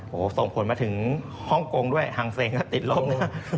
โอ้โฮส่งผลมาถึงฮ่องกงด้วยฮังเซงถ้าติดลบนะครับ